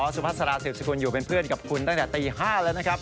สุภาษาสืบสกุลอยู่เป็นเพื่อนกับคุณตั้งแต่ตี๕แล้วนะครับ